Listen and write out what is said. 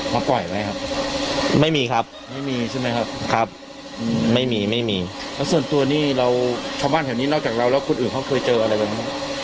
เหมือนวิกผมเลยอ่ะอยู่ดี